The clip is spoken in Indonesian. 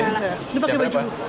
ini pakai baju